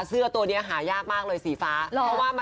เสื้อตัวนี้หายากมากเลยสีฟ้า